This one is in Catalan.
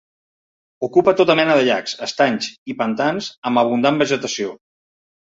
Ocupa tota mena de llacs, estanys i pantans amb abundant vegetació.